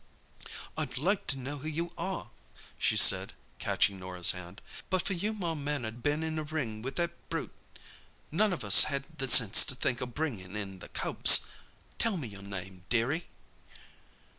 "I'd like to know who you are," she said, catching Norah's hand. "But for you my man 'ud 'a been in the ring with that brute. None of us had the sense to think o' bringin' in the cubs. Tell me your name, dearie."